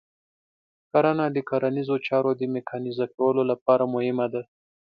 کرنه د کرنیزو چارو د میکانیزه کولو لپاره مهمه ده.